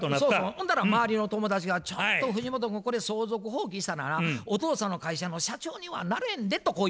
ほんだら周りの友達が「ちょっと藤本君これ相続放棄したらなお父さんの会社の社長にはなれんで」とこう言われたんや。